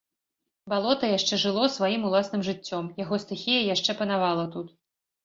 Балота яшчэ жыло сваім уласным жыццём, яго стыхія яшчэ панавала тут.